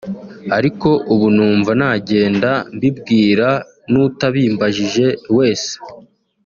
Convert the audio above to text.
ariko ubu numva nagenda mbibwira n’utabimbajije wese